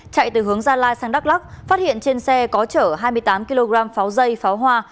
chạy từ hướng gia lai sang đắk lắc phát hiện trên xe có chở hai mươi tám kg pháo dây pháo hoa